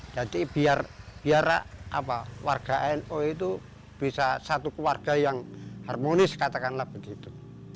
jadi biar biar apa warga nu itu bisa satu keluarga yang harmonis katakanlah begitu